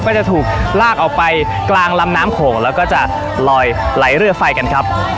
ก็จะถูกลากออกไปกลางลำน้ำโขงแล้วก็จะลอยไหลเรือไฟกันครับ